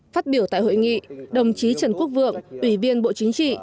phát biểu tại hội nghị đồng chí trần quốc vượng ủy viên bộ chính trị